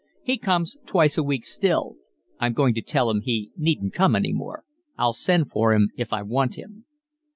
He comes twice a week still. I'm going to tell him he needn't come any more. I'll send for him if I want him."